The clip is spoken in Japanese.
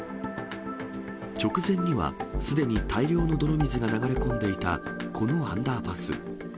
直前には、すでに大量の泥水が流れ込んでいたこのアンダーパス。